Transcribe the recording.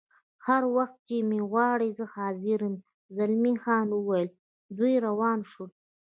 هر وخت چې مې وغواړې زه حاضر یم، زلمی خان وویل: دوی روان شول.